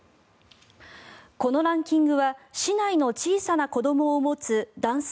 このランキングは市内の小さな子どもを持つ男性